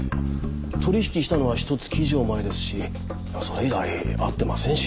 取引したのはひと月以上前ですしそれ以来会ってませんし。